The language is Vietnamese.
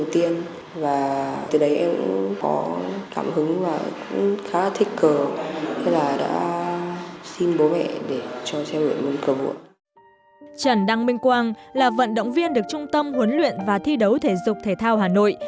trần đăng minh quang là vận động viên được trung tâm huấn luyện và thi đấu thể dục thể thao hà nội